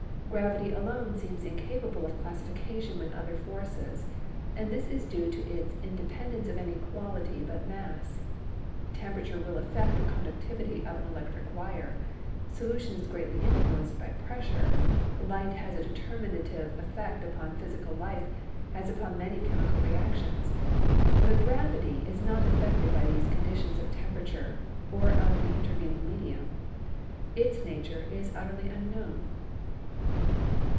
Gravity alone seems incapable of classification with other forces, and this is due to its independence of any quality but mass. Temperature will affect the conductiv ity of an electric wire, solution is greatly influenced by pressure, light has a determinative effect upon physical life as upon many chemical reactions, but gravity is not affected by these conditions of temperature or of the inter vening medium. Its nature is utterly unknown.